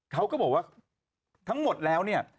เขาก็บอกว่าทั้งหมดแล้วเนี่ย